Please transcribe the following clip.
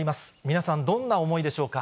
皆さん、どんな思いでしょうか。